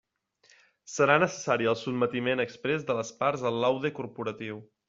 Serà necessari el sotmetiment exprés de les parts al laude corporatiu.